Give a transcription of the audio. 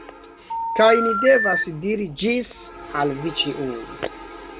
Kaj ni devas diri "Ĝis" al vi ĉiuj.